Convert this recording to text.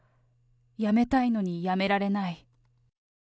やめたいのにやめられない。